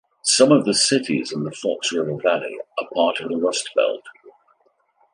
Some of cities in the Fox River Valley are part of the Rust Belt.